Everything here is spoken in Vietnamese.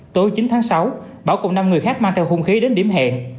tối chín tháng sáu bảo cùng năm người khác mang theo hung khí đến điểm hẹn